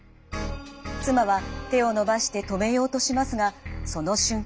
妻は手を伸ばして止めようとしますがその瞬間。